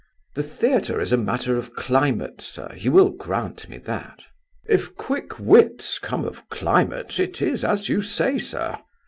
"The Theatre is a matter of climate, sir. You will grant me that." "If quick wits come of climate, it is as you say, sir."